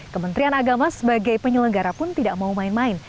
kementerian agama sebagai penyelenggara pun tidak mau main main